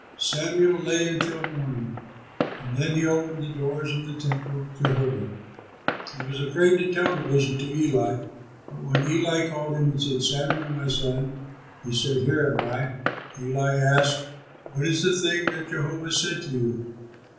Samuel lay until morning, and then he opened the doors of the temple of Jehovah. He was afraid to tell the vision to Eli. But when Eli called him and said, "Samuel, my son," he said, "Here am I." Eli asked, "What is the thing that Jehovah said to you?